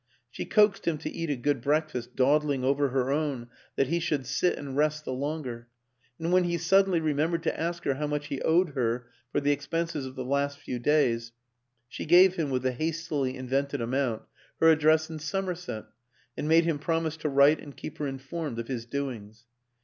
She coaxed him to eat a good breakfast, dawdling over her own that he should sit and rest the longer; and when he sud denly remembered to ask her how much he owed her for the expenses of the last few days, she gave him, with the hastily invented amount, her address in Somerset and made him promise to write and keep her informed of his doings.